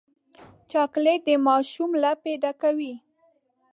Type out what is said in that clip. چاکلېټ د ماشوم لپې ډکوي.